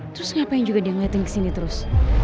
terus ngapain juga dia ngeliatin kesini terus